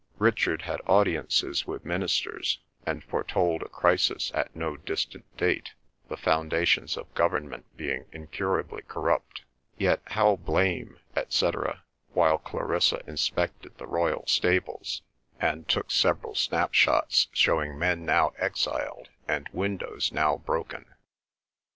Richard had audiences with ministers, and foretold a crisis at no distant date, "the foundations of government being incurably corrupt. Yet how blame, etc."; while Clarissa inspected the royal stables, and took several snapshots showing men now exiled and windows now broken.